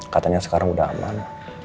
katanya sekarang udah aman